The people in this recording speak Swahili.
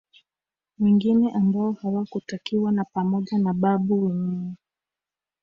Wengine ambao hawakutakiwa ni pamoja na Babu mwenyewe